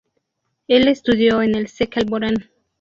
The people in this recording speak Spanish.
Él estudió en el Sek Alborán.